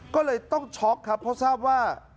ก็เลยต้องช็อกครับเพราะทราบว่า